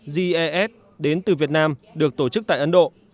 gief đến từ việt nam được tổ chức tại ấn độ